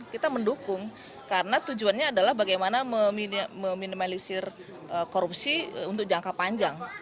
kita mendukung karena tujuannya adalah bagaimana meminimalisir korupsi untuk jangka panjang